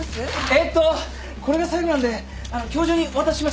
えとこれが最後なんであの今日中にお渡しします